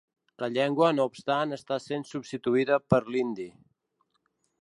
La llengua no obstant està sent substituïda per l'hindi.